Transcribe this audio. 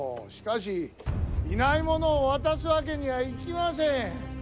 しかし、いない者を渡すわけにはいきません。